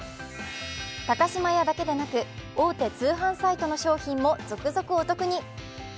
高島屋だけでなく、大手の通販サイトの商品も続々お得に。